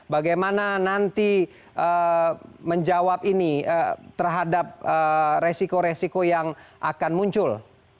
bagaimana nanti menjawab ini terhadap resiko resiko yang akan muncul